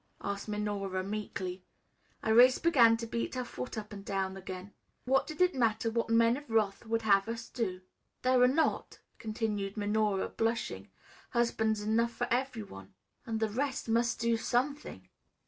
asked Minora meekly. Irais began to beat her foot up and down again, what did it matter what Men of Wrath would have us do? "There are not," continued Minora, blushing, "husbands enough for every one, and the rest must do something."